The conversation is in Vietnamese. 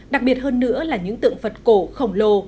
đặc biệt hơn nữa là những tượng phật cổ khổng lồ